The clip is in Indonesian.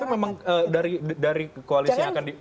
tapi memang dari koalisnya akan di